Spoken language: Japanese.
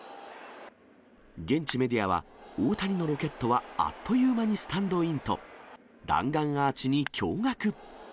現地メディアは、大谷のロケットはあっという間にスタンドインと、弾丸アーチに驚がく。